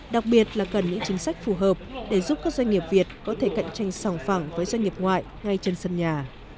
đặc biệt là cần những chính sách phù hợp để giúp các doanh nghiệp việt có thể cạnh tranh sòng phẳng với doanh nghiệp ngoại ngay trên sân nhà